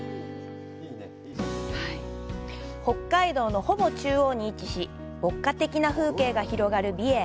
北海道のほぼ中央に位置し牧歌的な風景が広がる美瑛。